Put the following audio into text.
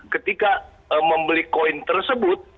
ketika membeli koin tersebut